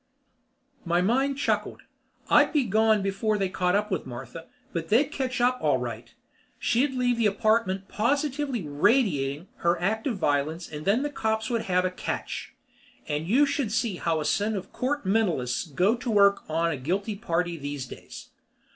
My mind chuckled. I'd be gone before they caught up with Martha, but they'd catch up all right. She'd leave the apartment positively radiating her act of violence and then the cops would have a catch. And you should see how a set of Court Mentalists go to work on a guilty party these days.